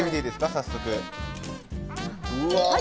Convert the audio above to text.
早速。